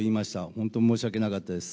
本当申し訳なかったです。